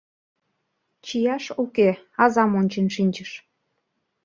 Чияш уке, азам ончен шинчыш.